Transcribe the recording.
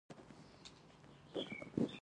ایا ستاسو ډوډۍ به پخه نه وي؟